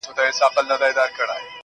مسافرۍ كي يك تنها پرېږدې~